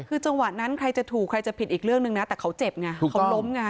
คือจังหวะนั้นใครจะถูกใครจะผิดอีกเรื่องหนึ่งนะแต่เขาเจ็บไงเขาล้มไง